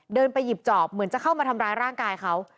ไปหยิบจอบเหมือนจะเข้ามาทำร้ายร่างกายเขา